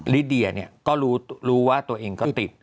ลิเดียก็รู้ว่าตัวเองก็ติด